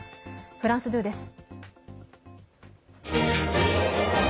フランス２です。